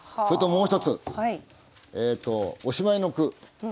それともう一つおしまいの句。